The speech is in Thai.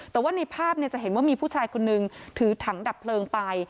แต่ว่าในภาพจะเห็นว่ามีผู้ชายคนนึงถือถังดับเพลิงไป